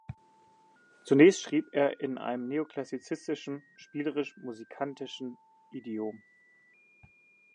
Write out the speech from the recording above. Zunächst schrieb er in einem neoklassizistischen, spielerisch-musikantischen Idiom.